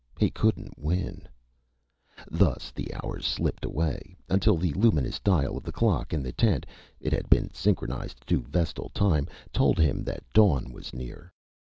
He couldn't win. Thus the hours slipped away, until the luminous dial of the clock in the tent it had been synchronized to Vestal time told him that dawn was near.